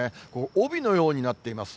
帯のようになっています。